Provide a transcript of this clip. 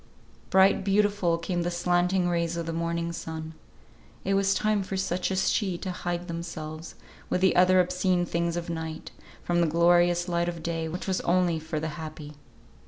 Bright, beautiful came the slanting rays of the morning sun. It was time for such as she to hide themselves, with the other obscene things of night, from the glorious light of day, which was only for the happy.